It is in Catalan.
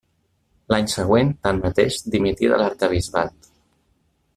L'any següent, tanmateix, dimití de l’arquebisbat.